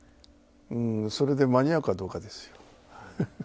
それで間に合うかどうかですよ。